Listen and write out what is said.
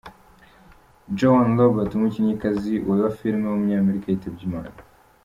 Joan Roberts, umukinnyikazi wa film w’umunyamerika yitabye Imana.